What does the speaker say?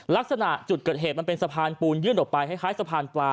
ลักษณะจุดเกิดเหตุมันเป็นสะพานปูนยื่นออกไปคล้ายสะพานปลา